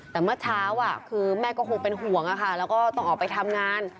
แต่เมื่อเช้าคือแม่ก็คงเป็นห่วงแล้วก็ต้องออกไปทำงาน